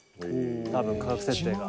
多分価格設定が。